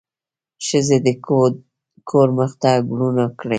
ښځې د کور مخ ته ګلونه کري.